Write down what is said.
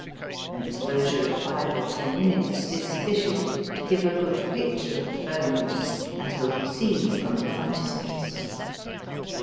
An exposure of five or ten minutes is sufficient to give a good picture of the bones, as will be seen from the frontispiece.